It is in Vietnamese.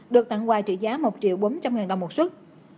được tặng quà trị giá một bốn trăm linh đồng một xuất